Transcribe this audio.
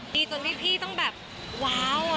ดีจนให้พี่ต้องแบบว้าว